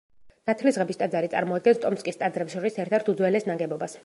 ნათლისღების ტაძარი წარმოადგენს ტომსკის ტაძრებს შორის ერთ-ერთ უძველეს ნაგებობას.